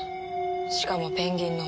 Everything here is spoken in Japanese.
しかもペンギンの。